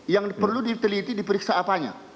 yang perlu diteliti diperiksa apanya